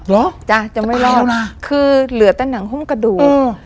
เหรอจ้ะจะไม่รอดคือเหลือแต่หนังหุ้มกระดูกเออ